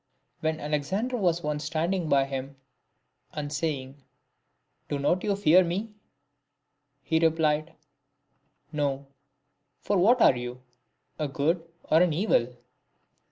When Alexander was once standing by him,*and saying, " Do not you fear me ?" He replied, " No ; for what are you, a good or an evil